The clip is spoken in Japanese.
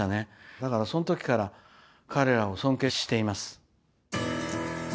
だからその時から彼らを尊敬しています。